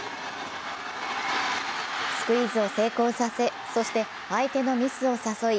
スクイズを成功させ、そして相手のミスを誘い